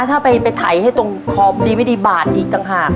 ถ้าไปไถให้ตรงคอมดีไม่ดีบาดอีกต่างหาก